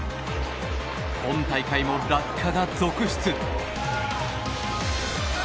今大会も落下が続出。